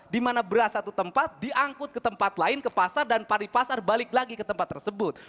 di mana beras satu tempat diangkut ke tempat lain ke pasar dan pari pasar balik lagi ke tempat tersebut